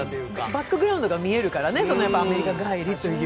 バックグラウンドが見えるからね、アメリカ帰りという。